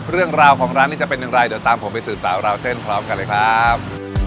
เรื่องราวของร้านนี้จะเป็นอย่างไรเดี๋ยวตามผมไปสืบสาวราวเส้นพร้อมกันเลยครับ